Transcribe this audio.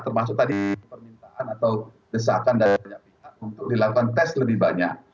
termasuk tadi permintaan atau desakan dari banyak pihak untuk dilakukan tes lebih banyak